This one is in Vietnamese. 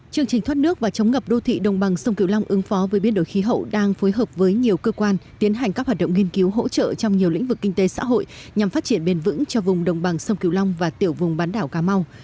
chương trình thoát nước và chống ngập đô thị đồng bằng sông kiều long ứng phó với biến đổi khí hậu đang phối hợp với nhiều cơ quan tiến hành các hoạt động nghiên cứu hỗ trợ trong nhiều lĩnh vực kinh tế xã hội nhằm phát triển bền vững cho vùng đồng bằng sông kiều long và tiểu vùng bán đảo cà mau